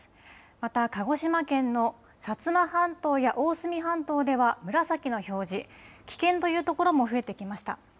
また鹿児島県の薩摩半島や大隅半島では紫の表示、危険という所も増えてきました。